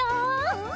うん！